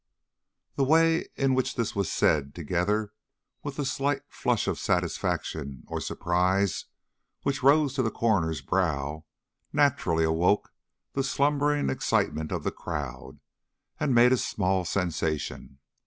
The way in which this was said, together with the slight flush of satisfaction or surprise which rose to the coroner's brow, naturally awoke the slumbering excitement of the crowd and made a small sensation.